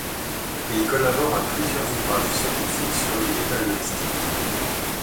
Il collabore à plusieurs ouvrages scientifiques sur les métaheuristiques.